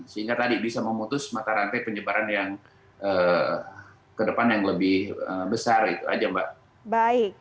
sehingga tadi bisa memutus mata rantai penyebaran yang ke depan yang lebih besar itu aja mbak